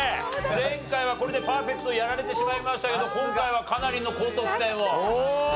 前回はこれでパーフェクトやられてしまいましたけど今回はかなりの高得点をね